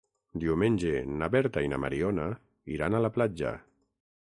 Diumenge na Berta i na Mariona iran a la platja.